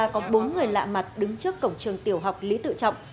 có bốn người lạ mặt đứng trước cổng trường tiểu học lý tự trọng